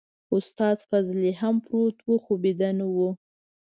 استاد فضلي هم پروت و خو بيده نه و.